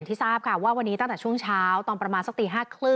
ทราบค่ะว่าวันนี้ตั้งแต่ช่วงเช้าตอนประมาณสักตี๕๓๐